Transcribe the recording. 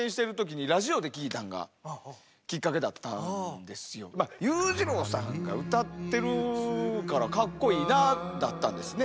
いやこれ僕本当裕次郎さんが歌ってるからかっこいいなだったんですね。